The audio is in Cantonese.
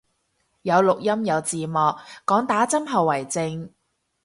有錄音有字幕，講打針後遺症